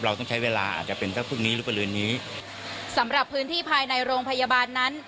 เราต้องใช้เวลาอาจจะเป็นสักพรุ่งนี้หรือบริเวณนี้สำหรับพื้นที่ภายในโรงพยาบาลนั้น